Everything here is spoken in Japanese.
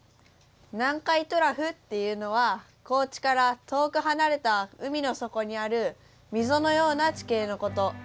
南海トラフっていうのは高知から遠く離れた海の底にある溝のような地形のこと。